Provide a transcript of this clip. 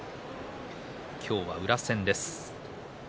今日は宇良戦です。